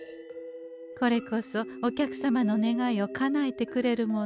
これこそお客様の願いをかなえてくれるもの。